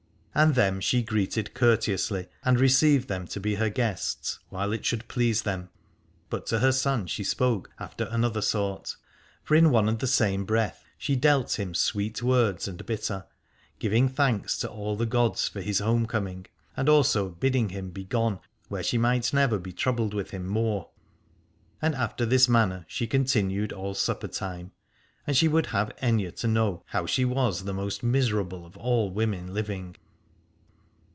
And them she greeted courteously, and received them to be her guests while it should please them : but to her son she spoke after another sort. For in one and the same breath she dealt him sweet words and bitter, giving thanks to all the gods for his home coming, and also bidding him begone where she might never be troubled with him more. And after this manner she continued all supper time, and she would have Aithne to know how she was the most miserable of all women living.